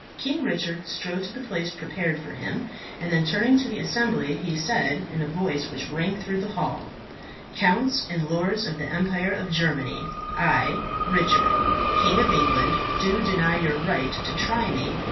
King Richard strode to the place prepared for him, and then turning to the assembly he said, in a voice which rang through the hall, "Counts and lords of the Empire of Germany, I, Richard, King of England, do deny your right to try me.